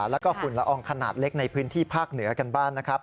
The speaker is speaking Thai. แล้วก็ฝุ่นละอองขนาดเล็กในพื้นที่ภาคเหนือกันบ้างนะครับ